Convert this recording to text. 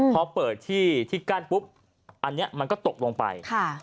พอเปิดที่กั้นปุ๊บอันนี้มันก็ตกลงไป